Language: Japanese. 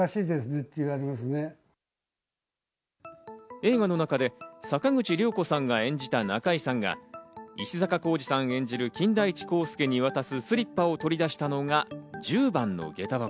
映画の中で、坂口良子さんが演じた仲居さんが石坂浩二さん演じる、金田一耕助に渡すスリッパを取り出したのが、１０番のげた箱。